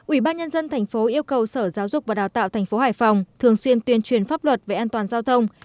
ủy ban nhân dân thành phố yêu cầu sở giáo dục và đào tạo tp hải phòng thường xuyên tuyên truyền pháp luật về an toàn giao thông